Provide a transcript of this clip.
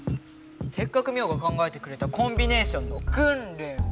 せっかくミオが考えてくれたコンビネーションのくんれんを。